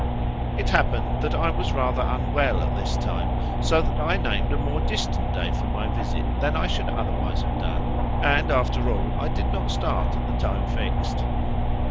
It happened that I was rather unwell at this time, so that I named a more distant day for my visit than I should otherwise have done, and after all, I did not start at the time fixed.